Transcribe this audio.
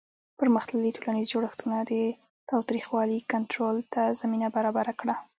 پرمختللي ټولنیز جوړښتونه د تاوتریخوالي کنټرول ته زمینه برابره کړه.